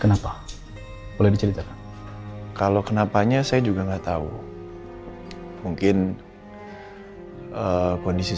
kenapa boleh diceritakan kalau kenapanya saya juga enggak tahu mungkin kondisi